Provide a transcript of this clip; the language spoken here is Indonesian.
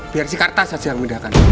biar si kartas aja yang memindahkan